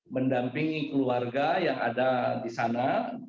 mendampingi keluarga yang ada di sana